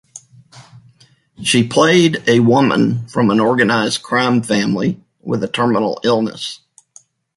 She played a woman from an organized crime family with a terminal illness.